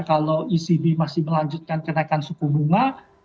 kalau ecb masih melanjutkan kenaikan suku bunga